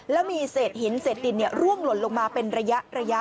แล้วมีเศษหินเศษดินเนี้ยล่วงหล่นลงมาเป็นระยะระยะ